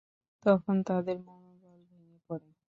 তখন তাদের মনোবল ভেঙে পড়ে।